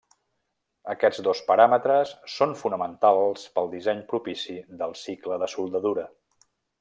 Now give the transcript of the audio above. Aquests dos paràmetres són fonamentals pel disseny propici del cicle de soldadura.